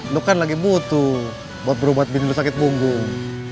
lo kan lagi butuh buat berubat bintang lo sakit bonggung